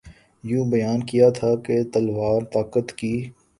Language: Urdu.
یوں بیان کیا تھا کہ تلوار طاقت کی